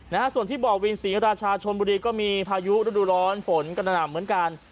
นะฮะส่วนที่บ่อวินศรีราชาชนบุรีก็มีพายุฤดูร้อนฝนกระหน่ำเหมือนกัน